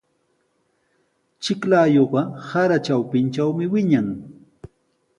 Chiklayuqa sara trawpintrawmi wiñan.